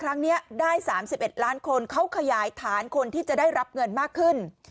ครั้งนี้ได้๓๑ล้านคนเขาขยายฐานคนที่จะได้รับเงินมากขึ้น